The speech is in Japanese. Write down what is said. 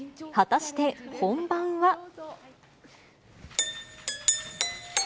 果たして、本番は？